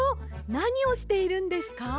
なにをしているんですか？